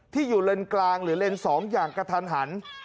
ที่อยู่เลนกลางหรือเลนส์๒อย่างกระทันหัน